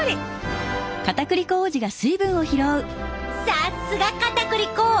さすがかたくり粉！